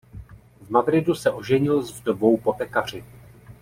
V Madridu se oženil s vdovou po pekaři.